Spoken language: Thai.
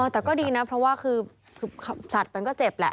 แต่ก็ดีนะเพราะว่าคือสัตว์มันก็เจ็บแหละ